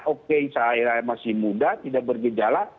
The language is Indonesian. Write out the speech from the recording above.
oke saya masih muda tidak bergejala